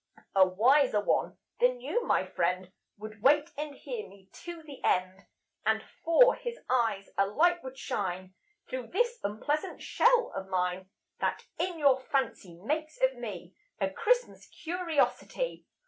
"A wiser One than you, my friend, Would wait and hear me to the end; And for His eyes a light would shine Through this unpleasant shell of mine That in your fancy makes of me A Christmas curiosity.